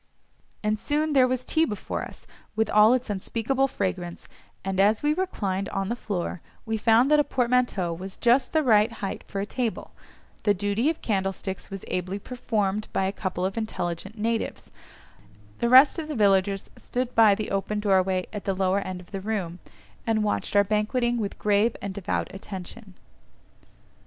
And soon there was tea before us, with all its unspeakable fragrance, and as we reclined on the floor, we found that a portmanteau was just the right height for a table; the duty of candlesticks was ably performed by a couple of intelligent natives; the rest of the villagers stood by the open doorway at the lower end of the room, and watched our banqueting with grave and devout attention.